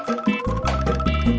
jadi aku udahacing quran